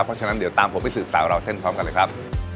เพราะฉะนั้นเดี๋ยวตามผมไปสืบสาวราวเส้นพร้อมกันเลยครับ